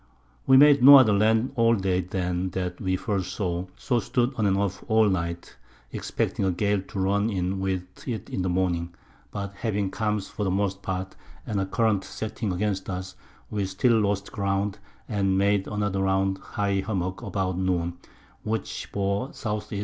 We made no other Land all Day than that we first saw, so stood on and off all Night, expecting a Gale to run in with it in the Morning, but having Calms for the most Part, and a Current setting against us, we still lost Ground, and made another round high Hummock about Noon, which bore S. E.